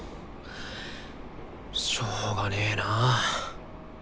しょうがねえなぁ。